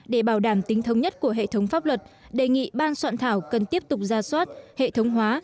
để bảo đảm tính thống nhất của hệ thống pháp luật đề nghị ban soạn thảo cần tiếp tục ra soát hệ thống hóa